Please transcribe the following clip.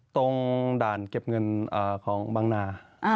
ตรงด่านเก็บเงินของบางนา